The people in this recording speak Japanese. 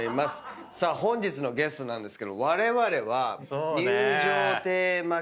さあ本日のゲストなんですけどわれわれは。